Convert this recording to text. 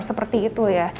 seperti itu ya